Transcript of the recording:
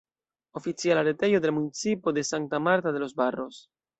Oficiala retejo de la municipo de Santa Marta de los Barros.